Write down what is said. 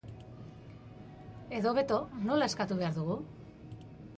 Edo, hobeto, nola eskatu behar dugu?